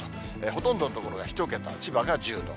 ほとんどの所が１桁、千葉が１０度。